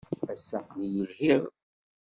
Ass-a, aql-iyi lhiɣ.